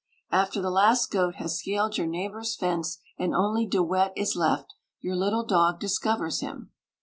After the last goat has scaled your neighbour's fence, and only De Wet is left, your little dog discovers him.